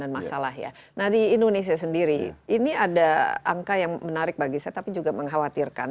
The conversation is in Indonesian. nah di indonesia sendiri ini ada angka yang menarik bagi saya tapi juga mengkhawatirkan